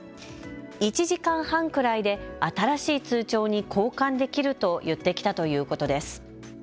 １時間半くらいで新しい通帳に交換できると言ってきたということです。